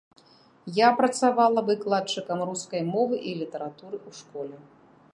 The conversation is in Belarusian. Я працавала выкладчыкам рускай мовы і літаратуры ў школе.